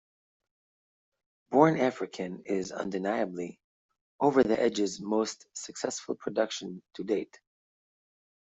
"Born African" is, undeniably, Over the Edge's most successful production to date.